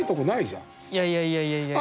いやいやいやいやいや。